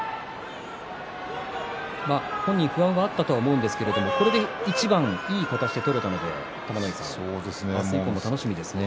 本人は不安があったと思うんですが、これで一番いい形で取れたんで明日以降も楽しみですね。